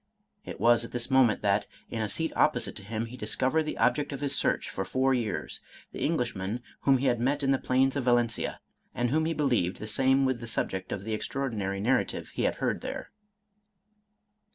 It was at this moment that, in a seat opposite to him, he discovered the object of his search for four years, — ^the Englishman whom he had met in the plains of Valencia, and whom he believed the same with the subject of the extraordinary narrative he had heard there.